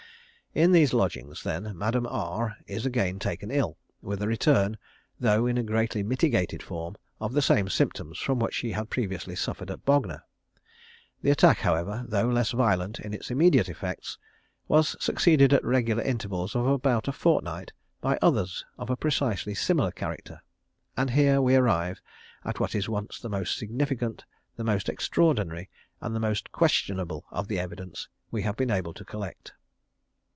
In these lodgings, then, Madame R, is again taken ill with a return, though in a greatly mitigated form, of the same symptoms from which she had previously suffered at Bognor. The attack, however, though less violent in its immediate effects, was succeeded at regular intervals of about a fortnight by others of a precisely similar character. And here we arrive at what is at once the most significant, the most extraordinary, and the most questionable of the evidence we have been able to collect.